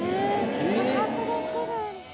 宿泊できる。